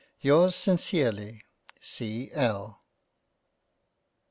Yours sincerely C. L.